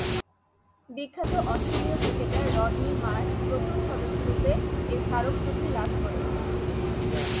বিখ্যাত অস্ট্রেলীয় cricketer Rodney Marsh প্রথম সদস্যরূপে এ স্মারক টুপি লাভ করেন।